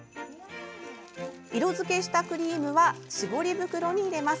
色づけしたクリームは絞り袋に入れます。